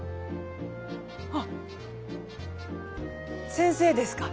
あっ先生ですか？